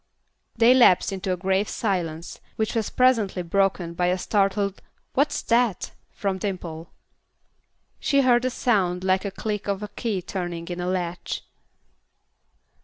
They lapsed into a grave silence which was presently broken by a startled "What's that?" from Dimple. She heard a sound like the click of a key turning in a latch.